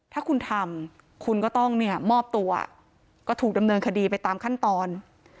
ถ้าคุณทำคุณก็ต้องเนี่ยมอบตัวก็ถูกดำเนินคดีไปตามขั้นตอน